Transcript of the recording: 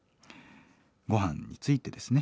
ごはんについてですね。